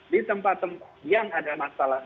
di tempat tempat yang ada masalah